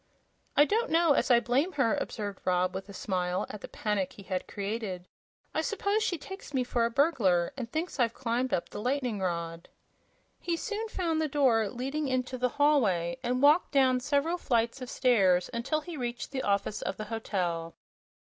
"I don't know as I blame her," observed Rob, with a smile at the panic he had created. "I s'pose she takes me for a burglar, and thinks I've climbed up the lightning rod." He soon found the door leading into the hallway and walked down several flights of stairs until he reached the office of the hotel.